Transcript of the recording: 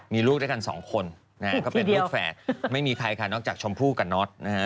มีลูกด้วยกันสองคนนะฮะก็เป็นลูกแฝดไม่มีใครค่ะนอกจากชมพู่กับน็อตนะฮะ